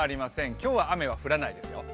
今日は雨は降らないですよ。